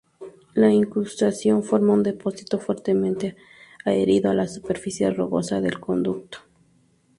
La incrustación forma un depósito fuertemente adherido a la superficie rugosa del conducto.